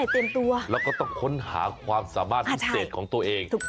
เราก็ต้องค้นหาความสามารถพิเศษของตัวเอง